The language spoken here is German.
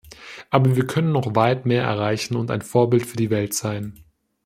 Aber wir können noch weit mehr erreichen und ein Vorbild für die Welt sein.